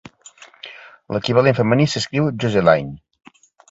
L'equivalent femení s'escriu "Jocelyne".